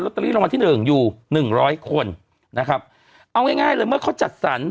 เตอรี่รางวัลที่หนึ่งอยู่หนึ่งร้อยคนนะครับเอาง่ายง่ายเลยเมื่อเขาจัดสรร